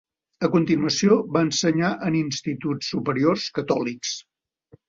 A continuació va ensenyar en instituts superiors Catòlics.